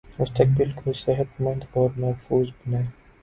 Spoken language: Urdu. مستقبل کو صحت مند اور محفوظ بنائیں